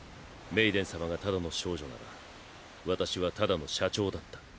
メイデン様がただの少女なら私はただの社長だった。